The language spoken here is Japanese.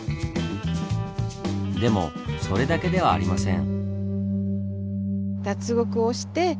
でもそれだけではありません。